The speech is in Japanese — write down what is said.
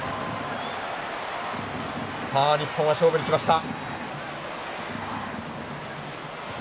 日本は勝負にきました。